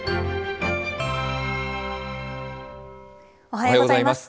おはようございます。